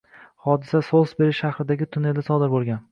Hodisa Solsberi shahridagi tunnelda sodir bo‘lgan